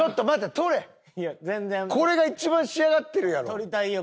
これが一番仕上がってるやろ。